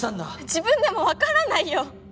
自分でもわからないよ！